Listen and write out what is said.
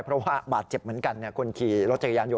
เพราะว่าบาดเจ็บเหมือนกันคนขี่รถจักรยานยน